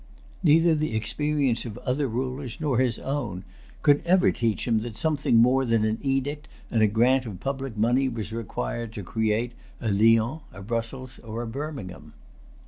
Neither the experience of other rulers, nor his own, could ever teach him that something more than an edict and a grant of public money was required to create a Lyons, a Brussels, or a Birmingham.